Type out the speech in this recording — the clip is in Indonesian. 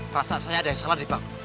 pasta saya ada yang salah dipang